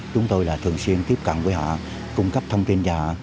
chúng tôi là thường xuyên tiếp cận với họ cung cấp thông tin cho họ